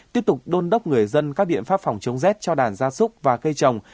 tiếp tục đôn đốc người dân các biện pháp phòng chống rét cho đàn gia súc và cây trồng